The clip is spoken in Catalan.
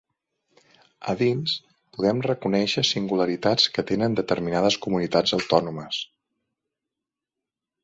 A dins, podem reconèixer singularitats que tenen determinades comunitats autònomes.